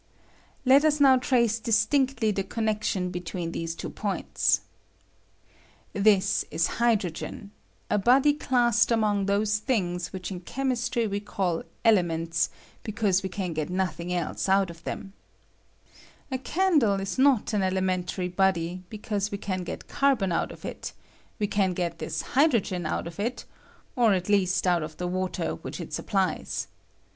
Let us now trace diatinetly the connection between these two points. This is hydrogen — a body classed among those things which in HTBROGEN. ^^H cbemiBtiy we call elementa, because we can ^^H notliing else out of them, A candle ia not an ^^H elementary body, because we can get carbon ^^B out of it ; we can get this hydrogen out of it, or ^^* at least out of the water which it supplies.